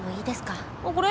これ？